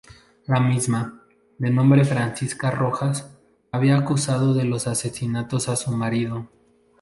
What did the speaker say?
La misma, de nombre Francisca Rojas, había acusado de los asesinatos a su marido.